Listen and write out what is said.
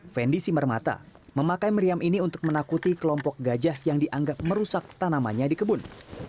fendi simermata memakai meriam ini untuk menakuti kelompok gajah yang dianggap merusak tanamannya di kebun